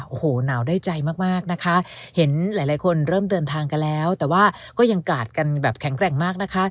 โอ้โหหนาวได้ใจมากมากนะคะเห็นหลายหลายคนเริ่มเดินทางกันแล้วแต่ว่าก็ยังกาดกันแบบแข็งแกร่งมากนะคะ